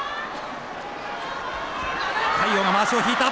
魁皇がまわしを引いた。